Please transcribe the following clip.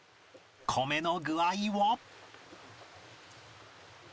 米の具合は